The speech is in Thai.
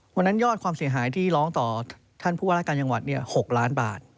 ยอดความเสียหายที่ร้องต่อท่านผู้ว่าราชการจังหวัด๖ล้านบาท